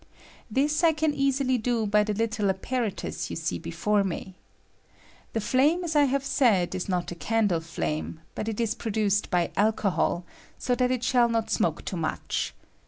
This I can easily do by the little apparatus you see before me. The flame, as I have said, is not a candle flame, but it is produced by alcohol, so that it shall aot smoke too much.